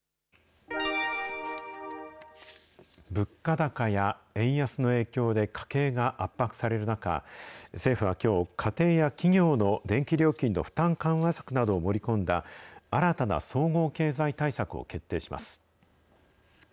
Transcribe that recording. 物価高や円安の影響で家計が圧迫される中、政府はきょう、家庭や企業の電気料金の負担緩和策などを盛り込んだ、新たな総合経済対策を決定します。